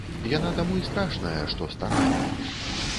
Яна таму і страшная, што старая.